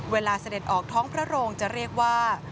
เสด็จออกท้องพระโรงจะเรียกว่า